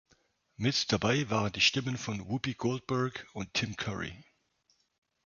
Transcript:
Mit dabei waren die Stimmen von Whoopi Goldberg und Tim Curry.